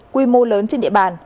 quy mô lớn trên địa bàn